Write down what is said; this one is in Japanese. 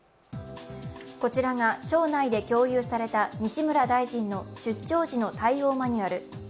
こちらが省内で共有された西村大臣の出張時の対応マニュアル。